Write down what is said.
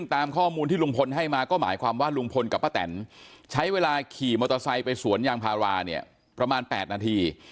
ถ้าขี่มอเตอร์ไซต์ไปสวนยางภาราเนี่ยประมาณ๘นาที